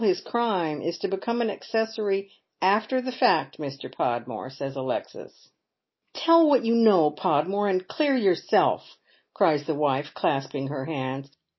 bis crime, is to beconifj an accessory after the fact, Mr. Pod more," says Alexis. " Tell what you know, Podmore, and clear yourself," cries the wife, clasping her hands.